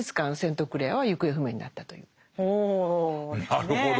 なるほど。